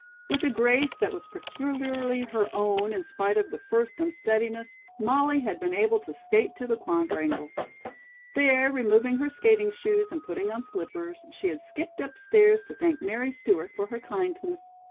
With a grace that was peculiarly her own in spite of the first unsteadiness, Molly had been able to skate to the Quadrangle. There, removing her skating shoes, and putting on slippers, she had skipped upstairs to thank Mary Stewart for her kindness.